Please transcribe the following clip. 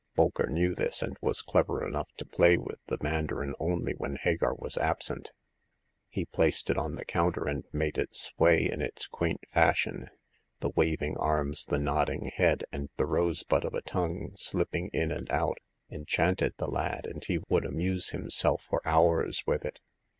Bolker knew this, and was clever enough to play with the mandarin only when Hagar was absent. He placed it on the counter, and made it sway in its quaint fashion. The waving arms, the nodding head, and the roseleaf of a tongue slipping in and out, enchanted the lad, and he would amuse him self for hours with it.